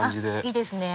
いいですね。